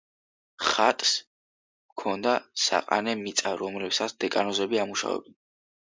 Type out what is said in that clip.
ხატს ჰქონდა საყანე მიწა, რომელსაც დეკანოზები ამუშავებდნენ.